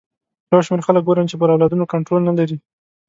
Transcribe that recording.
یو شمېر خلک ګورم چې پر اولادونو کنټرول نه لري.